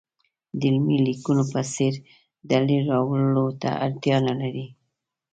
د علمي لیکنو په څېر دلیل راوړلو ته اړتیا نه لري.